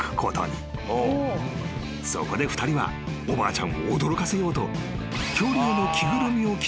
［そこで２人はおばあちゃんを驚かせようと］